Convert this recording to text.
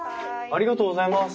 ありがとうございます。